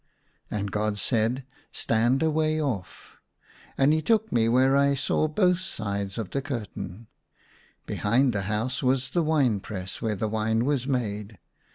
And God said, " Stand a way off." And he took me where I saw both sides of the curtain. Behind the house was the wine press where the wine was made.